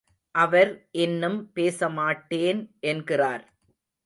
அவர் இன்னும் பேசமாட்டேன் என்கிறார்.